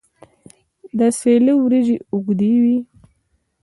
د سیله وریجې اوږدې وي.